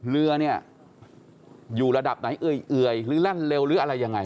เรือเนี่ยอยู่ระดับไหนเอื่อยหรือแล่นเร็วหรืออะไรยังไง